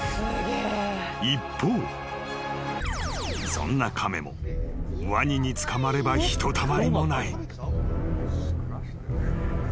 ［そんな亀もワニに捕まればひとたまりもない］